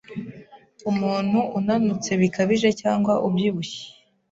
umuntu unanutse bikabije cyangwa ubyibushye